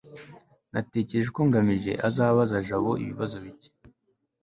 natekereje ko ngamije azabaza jabo ibibazo bike